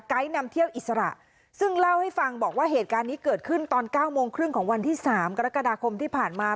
นำเที่ยวอิสระซึ่งเล่าให้ฟังบอกว่าเหตุการณ์นี้เกิดขึ้นตอนเก้าโมงครึ่งของวันที่๓กรกฎาคมที่ผ่านมา